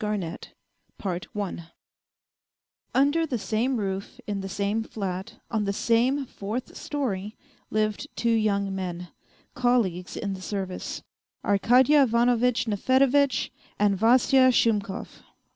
] A FAINT HEART A STORY UNDER the same roof in the same flat on the same fourth storey lived two young men, colleagues in the service, Arkady Ivanovitch Nefedevitch and Vasya Shumkov.